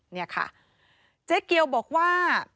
นี่ค่ะเจ๊เกียวบอกว่า